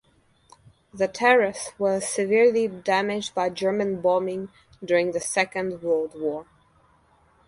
The Terrace was severely damaged by German bombing during the Second World War.